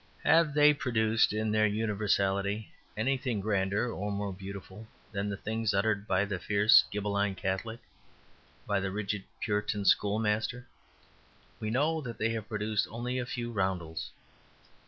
Have they produced in their universality anything grander or more beautiful than the things uttered by the fierce Ghibbeline Catholic, by the rigid Puritan schoolmaster? We know that they have produced only a few roundels.